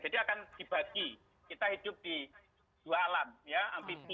jadi akan dibagi kita hidup di dua alam ya mpp